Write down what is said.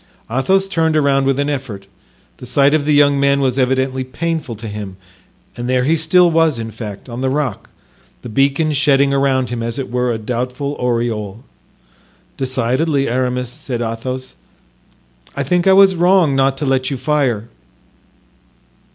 Athos turned around with an effort; the sight of the young man was evidently painful to him, and there he still was, in fact, on the rock, the beacon shedding around him, as it were, a doubtful aureole. "Decidedly, Aramis," said Athos, "I think I was wrong not to let you fire."